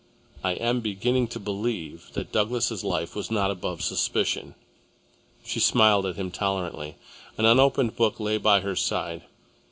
I am beginning to believe that Douglas' life was not above suspicion." She smiled at him tolerantly. An unopened book lay by her side.